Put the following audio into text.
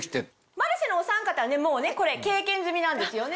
『マルシェ』のおさん方はもうこれ経験済みなんですよね？